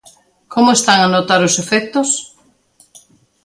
Como están a notar os efectos?